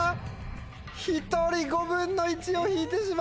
１人５分の１を引いてしまった！